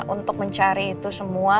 untuk mencari itu semua